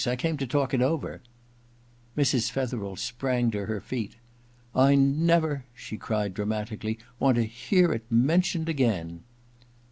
I came to talk it over/ Mrs, Fethercl sprang to her feet * I never,' she cried dramatically, 'want to hear it men tioned again